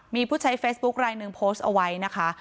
มีผู้ใช้เฟซบุ๊คลายหนึ่งโพสต์เอาไว้นะคะ